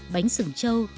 bánh sửng trâu